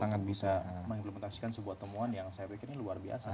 akan bisa mengimplementasikan sebuah temuan yang saya pikir ini luar biasa